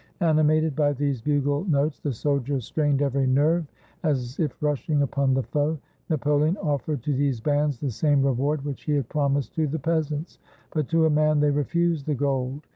Animated by these bugle notes, the soldiers strained every nerve as if rushing upon the foe. Napoleon offered to these bands the same reward which he had promised to the peasants. But to a man they refused the gold.